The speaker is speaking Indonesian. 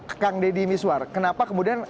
akang deddy miswar kenapa kemudian